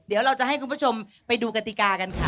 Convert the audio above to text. เดี๋ยวเราจะให้คุณผู้ชมไปดูกติกากันค่ะ